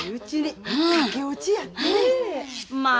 まあ！